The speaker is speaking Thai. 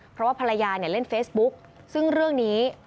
เพราะว่าภรรยาเนี่ยเล่นเฟซบุ๊กซึ่งเรื่องนี้